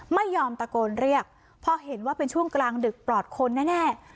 ไม่ยอมตะโกนเรียกเพราะเห็นว่าเป็นช่วงกลางดึกปลอดคนแน่